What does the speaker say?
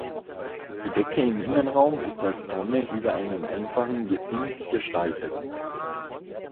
Die Decke im Innenraum ist als Tonne über einem einfachen Gesims gestaltet.